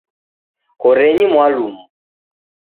Korenyi mwalumu.